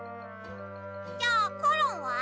じゃあコロンは？